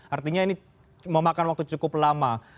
artinya ini memakan waktu cukup lama